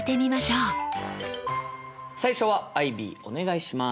最初はアイビーお願いします。